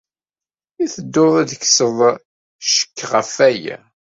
I tedduḍ ad d-tekkseḍ ccek ɣef waya?